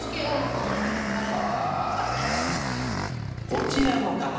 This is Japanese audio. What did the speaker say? こちらの方も。